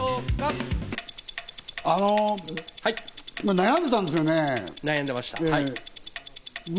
悩んでたんですよね？